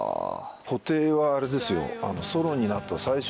布袋はあれですよ。